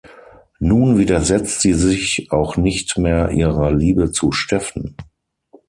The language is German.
Nun widersetzt sie sich auch nicht mehr ihrer Liebe zu Stephen.